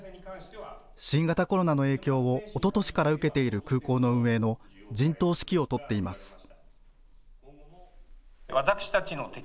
新型コロナの影響をおととしから受けている空港の運営の陣頭指揮を執っています。